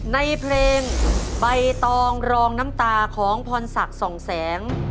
ในเพลงใบตองรองน้ำตาของพรศักดิ์ส่องแสง